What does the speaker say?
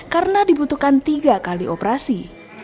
karena dibutuhkan tiga kali operasi